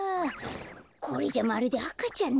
これじゃまるであかちゃんだよ。